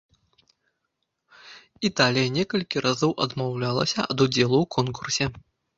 Італія некалькі разоў адмаўлялася ад удзелу ў конкурсе.